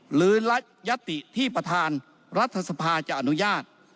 หรือยัตติที่ประธานรัฐสภาจะอนุญาต